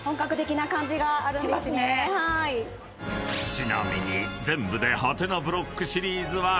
［ちなみに全部で］